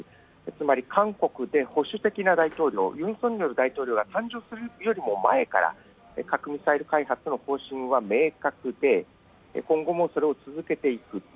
つまり韓国で保守的な大統領、ユン・ソンニョル大統領が誕生するより前から核・ミサイル開発の方針は明確で今後もそれを続けていく。